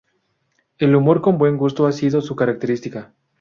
El humor con buen gusto ha sido su característica.